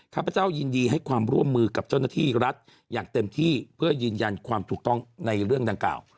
ข้าพเจ้ายินดีให้ความร่วมมือกับเจ้าหน้าที่รัฐอย่างเต็มที่เพื่อยืนยันความถูกต้องในเรื่องดังกล่าว